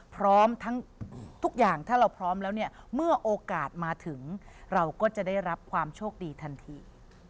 พร้อมทั้งทุกอย่างถ้าเราพร้อมแล้วเนี่ยเมื่อโอกาสมาถึงเราก็จะได้รับความโชคดีทันที